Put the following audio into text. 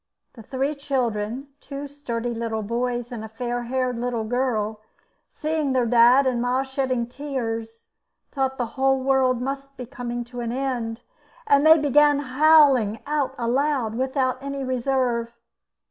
The three children two sturdy little boys and a fair haired little girl seeing their dad and ma shedding tears, thought the whole world must be coming to an end, and they began howling out aloud without any reserve.